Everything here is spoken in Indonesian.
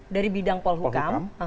dari bidang polhukam